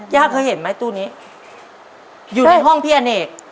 เคยเห็นไหมตู้นี้อยู่ในห้องพี่อเนก